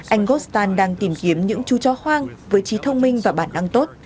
anh gostan đang tìm kiếm những chú chó hoang với trí thông minh và bản năng tốt